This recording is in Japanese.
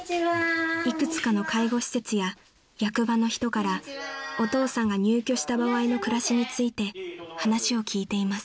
［いくつかの介護施設や役場の人からお父さんが入居した場合の暮らしについて話を聞いています］